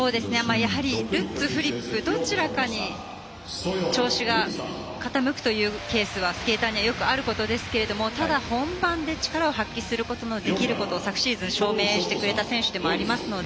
やはりルッツ、フリップどちらかに調子が傾くというケースがスケーターにはよくあることですけどただ、本番で力を発揮することができることを昨シーズン証明してくれた選手でもありますので。